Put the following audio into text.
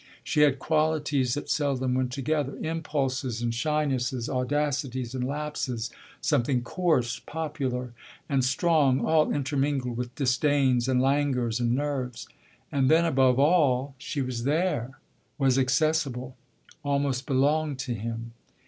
She had qualities that seldom went together impulses and shynesses, audacities and lapses, something coarse, popular, and strong all intermingled with disdains and languors and nerves. And then above all she was there, was accessible, almost belonged to him.